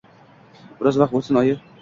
Biroz vaqt o`tsin, oyi